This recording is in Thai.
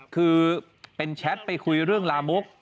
คือเป็นแชทไปคุยเรื่องลามก